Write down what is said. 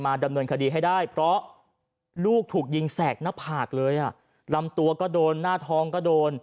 ดำเนินคดีให้ได้เพราะลูกถูกยิงแสกหน้าผากเลยอ่ะลำตัวก็โดนหน้าท้องก็โดน